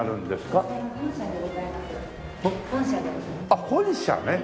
あっ本社ね！